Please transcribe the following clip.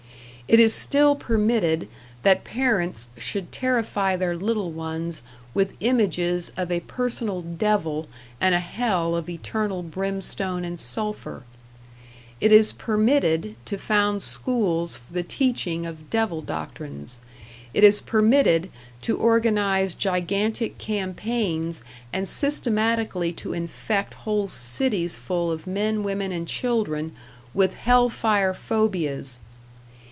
It is still permitted that parents should terrify their little ones with images of a personal devil and a hell of eternal brimstone and sulphur; it is permitted to found schools for the teaching of devil doctrines; it is permitted to organize gigantic campaigns and systematically to infect whole cities full of men, women and children with hell fire phobias.